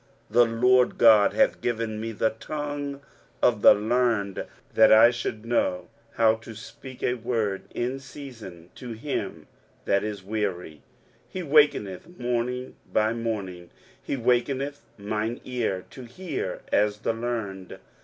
23:050:004 The Lord GOD hath given me the tongue of the learned, that I should know how to speak a word in season to him that is weary: he wakeneth morning by morning, he wakeneth mine ear to hear as the learned.